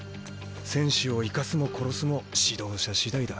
選手を生かすも殺すも指導者次第だ。